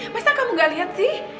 masa kamu gak lihat sih